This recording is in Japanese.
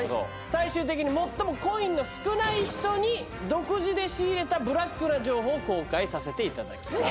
最終的に最もコインの少ない人の独自で仕入れたブラックな情報を公開させていただきます。